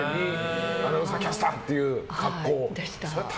常にアナウンサーキャスターっていう格好を。